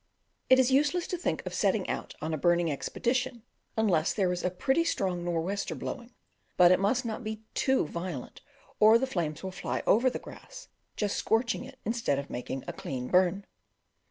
It is useless to think of setting out on a burning expedition unless there is a pretty strong nor' wester blowing; but it must not be too violent, or the flames will fly over the grass, just scorching it instead of making "a clean burn."